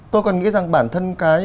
tôi còn nghĩ rằng bản thân cái